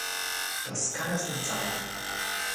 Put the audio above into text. Das kann es nicht sein.